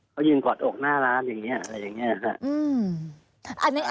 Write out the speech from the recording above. เขายืนกอดอกหน้าร้านอย่างนี้อะไรอย่างนี้ค่ะ